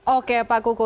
oke pak kuko